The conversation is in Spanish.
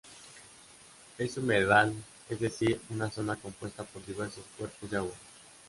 Es un humedal, es decir, una zona compuesta por diversos cuerpos de agua.